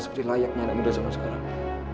seperti layaknya anak muda zaman sekarang